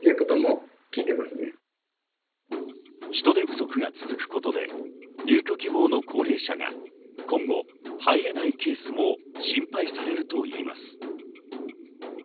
人手不足が続くことで、入居希望の高齢者が今後、入れないケースも心配されるといいます。